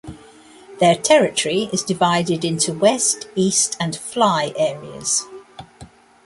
Their territory is divided into West, East and Fly areas.